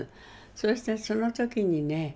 そしてその時にね